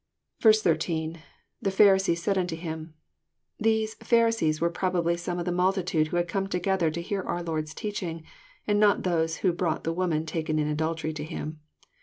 13.— [7%e Pharisees. „8aid unto him.'} These "Pharisees were probably some of the multitude who had come together to hear our Lord's teaching, and not those who brought the woman taken in adultery to Him.